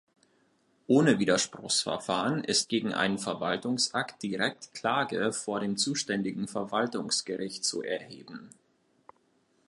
Ohne Widerspruchsverfahren ist gegen einen Verwaltungsakt direkt Klage vor dem zuständigen Verwaltungsgericht zu erheben.